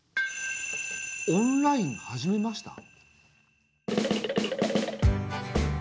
「オンラインはじめました」？